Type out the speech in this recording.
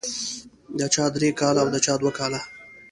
د چا درې کاله او د چا دوه کاله.